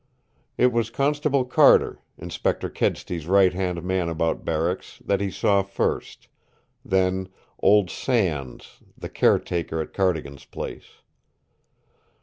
It was Constable Carter, Inspector Kedsty's right hand man about barracks, that he saw first; then old Sands, the caretaker at Cardigan's place.